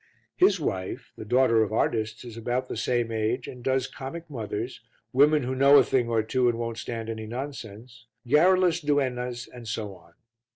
His wife, the daughter of artists, is about the same age and does comic mothers, women who know a thing or two and won't stand any nonsense, garrulous duennas and so on.